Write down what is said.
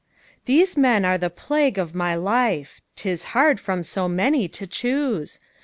These men are the plague of my life: 'Tis hard from so many to choose!